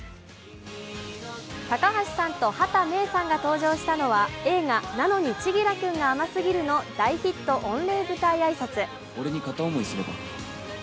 高橋さんと畑芽育さんが登場したのは映画「なのに、千輝くんが甘すぎる」の大ヒット御礼舞台挨拶。